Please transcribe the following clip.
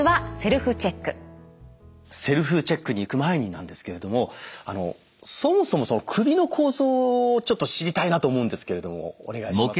セルフチェックに行く前になんですけれどもそもそも首の構造をちょっと知りたいなと思うんですけれどもお願いします。